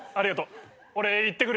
俺行ってくるよ。